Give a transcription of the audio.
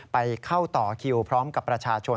ไปเข้าต่อคิวพร้อมกับประชาชน